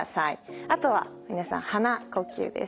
あとは皆さん鼻呼吸です。